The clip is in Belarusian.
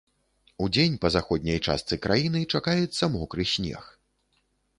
Удзень па заходняй частцы краіны чакаецца мокры снег.